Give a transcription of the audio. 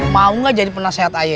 mau nggak jadi penasehat aya